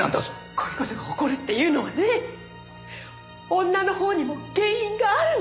こういう事が起こるっていうのはね女の方にも原因があるのよ！